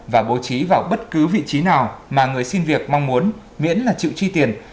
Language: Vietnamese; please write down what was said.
và bố trí vào bất cứ vị trí nào mà người xin việc mong muốn miễn là chịu chi tiền